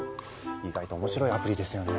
意外と面白いアプリですよね。